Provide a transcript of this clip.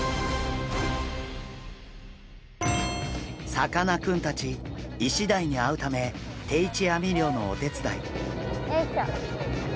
さかなクンたちイシダイに会うため定置網漁のお手伝い。